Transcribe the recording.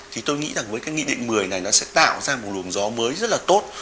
thì tôi nghĩ rằng với cái nghị định một mươi này nó sẽ tạo ra một luồng gió mới rất là tốt